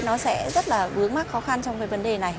nó sẽ rất là vướng mắc khó khăn trong cái vấn đề này